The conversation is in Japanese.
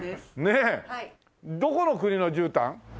どこの国のじゅうたん？